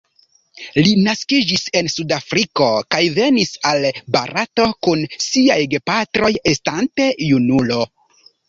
Li naskiĝis en Sudafriko kaj venis al Barato kun siaj gepatroj estante junulo.